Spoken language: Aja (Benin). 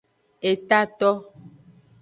Etato.